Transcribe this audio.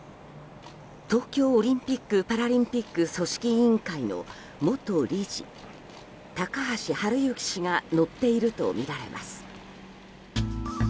東京オリンピック・パラリンピック組織委員会の元理事、高橋治之氏が乗っているとみられます。